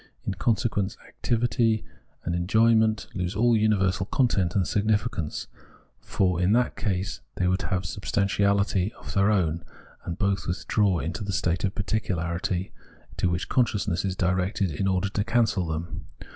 In consequence, activity and enjoyment lose aU universal content and significance; for in that case they would have a sub stantiahty of their own : and both withdraw into the state of particularity, to which consciousness is directed in order to cancel them.